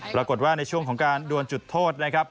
ปรากฏว่าในช่วงของการดวนจุดโทษนะครับ